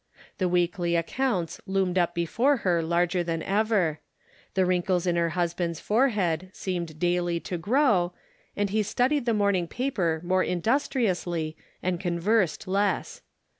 The weekly accounts loomed up before her larger than ever ; the wrinkles in her husband's forehead seemed daily to grow, and he studied the morning paper more industriously and conversed less.